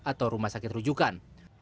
atau rumah sakit rujukan